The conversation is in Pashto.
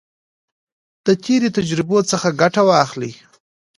د تیرو تجربو څخه ګټه واخلئ.